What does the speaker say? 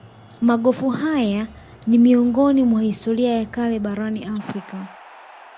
Magofu haya ni miongoni mwa historia ya kale barani Afrika